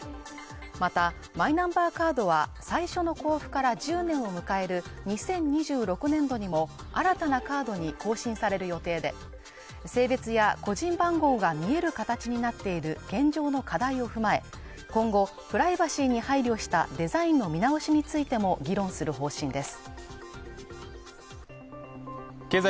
また、マイナンバーカードは最初の交付から１０年を迎える２０２６年度にも新たなカードに更新される予定で、性別や個人番号が見える形になっている現状の課題を踏まえ、今後プライバシーに配慮したデザインの見直しについても議論する方針です。